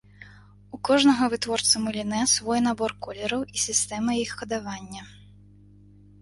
У кожнага вытворцы мулінэ свой набор колераў і сістэма іх кадавання.